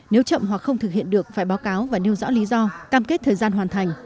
nếu chậm hoặc không thực hiện được phải báo cáo và nêu rõ lý do cam kết thời gian hoàn thành